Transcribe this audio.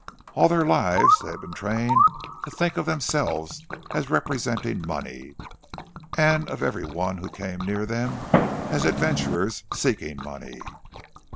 All their lives they had been trained to think of themselves as representing money, and of every one who came near them as adventurers seeking money.